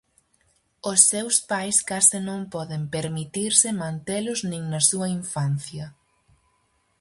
Os seus pais case non poden permitirse mantelos nin na súa infancia.